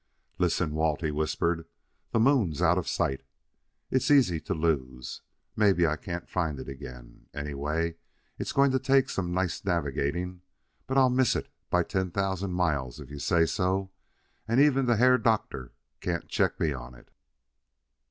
"Listen, Walt," he whispered; "the Moon's out of sight; it's easy to lose. Maybe I can't find it again, anyway it's going to take some nice navigating but I'll miss it by ten thousand miles if you say so, and even the Herr Doktor can't check me on it."